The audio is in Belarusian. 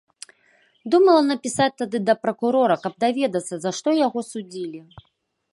Думала напісаць тады да пракурора, каб даведацца, за што яго судзілі.